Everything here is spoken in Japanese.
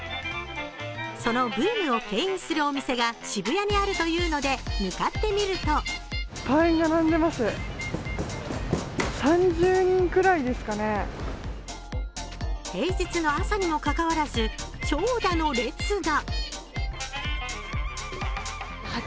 そのブームをけん引するお店が渋谷にあるというので向かってみると平日の朝にもかかわらず長蛇の列が。